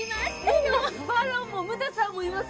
バロンもムタさんもいます